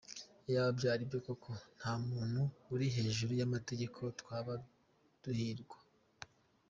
Iyaba byari byo koko, nta muntu uri hejuru y’amategeko, twaba duhirwa !